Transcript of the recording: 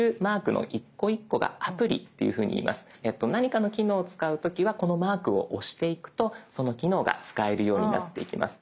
何かの機能を使う時はこのマークを押していくとその機能が使えるようになっていきます。